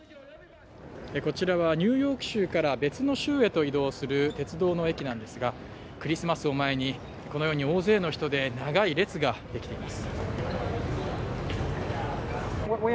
こちらはニューヨーク州から別の州へと移動する鉄道の駅なんですが、クリスマスを前にこのように大勢の人で長い列ができています。